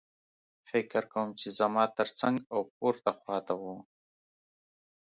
فکر کوم چې زما ترڅنګ او پورته خوا ته وو